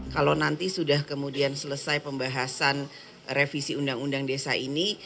kalau nanti sudah kemudian selesai pembahasan revisi undang undang desa ini